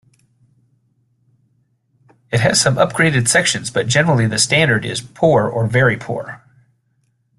It has some upgraded sections, but generally the standard is poor or very poor.